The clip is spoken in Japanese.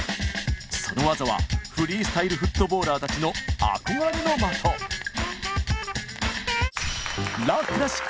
その技はフリースタイルフットボーラーたちの憧れの的！えっ⁉え！